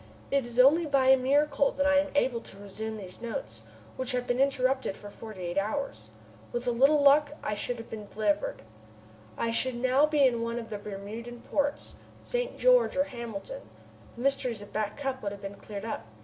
It is only by a miracle that I am able to resume these notes, which have been interrupted for forty eight hours. With a little luck, I should have been delivered! I should now be in one of the Bermudan ports St. George or Hamilton. The mysteries of Back Cup would have been cleared up.